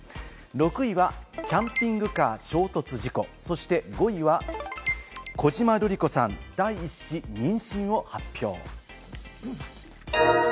６位はキャンピングカー衝突事故、そして５位は小島瑠璃子さん、第一子妊娠を発表。